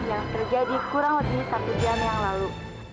yang terjadi kurang lebih satu jam yang lalu